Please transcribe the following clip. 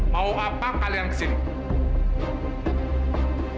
mau apa kalian kesini